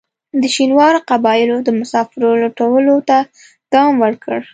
د شینوارو قبایلو د مسافرو لوټلو ته دوام ورکړ.